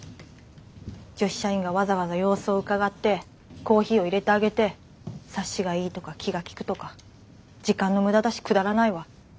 女子社員がわざわざ様子をうかがってコーヒーをいれてあげて察しがいいとか気が利くとか時間の無駄だしくだらないわ。